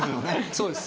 そうです。